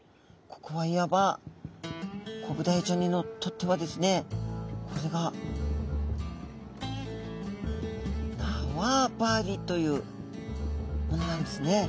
ここはいわばコブダイちゃんにとってはですねこれが縄張りというものなんですね。